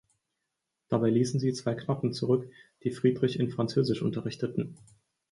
Dabei ließen sie zwei Knappen zurück, die Friedrich in Französisch unterrichteten.